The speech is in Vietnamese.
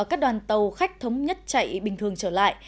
các đoàn tàu khách thống nhất chạy bình thường trở lại